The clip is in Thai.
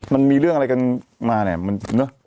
มันมีเรื่องอะไรกันมาเนี่ย